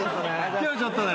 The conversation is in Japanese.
今日ちょっとね。